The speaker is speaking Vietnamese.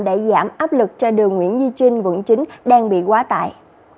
để giảm áp lực cho đường nguyễn duy trinh quận chín đang bị quá tải